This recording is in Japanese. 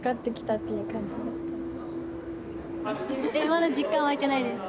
まだ実感湧いてないです。